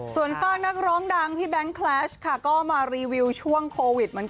ส่วนฝากนักร้องดังพี่แบงค์แคลชค่ะก็มารีวิวช่วงโควิดเหมือนกัน